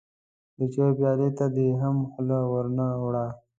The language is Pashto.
د چايو پيالې ته دې هم خوله ور نه وړه.